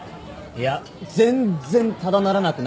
いや全っ然ただならなくないですよ。